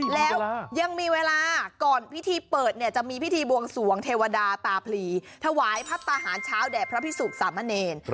แล้วยังมีเวลาก่อนพิธีเปิดเนี่ยจะมีพิธีบวงสวงเทวดาตาพลีถวายพัฒนาหารเช้าแด่พระพิสุขสามเณร